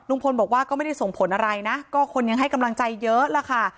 บอกว่าก็ไม่ได้ส่งผลอะไรนะก็คนยังให้กำลังใจเยอะล่ะค่ะ